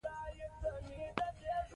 ځینې بدلونونه خطرناک دي.